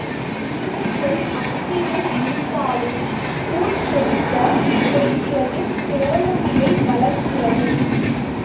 இனிய சொல் அன்பினை இருபாலும் ஊற்றெடுக்கச் செய்கிறது தோழமையை வளர்க்கிறது.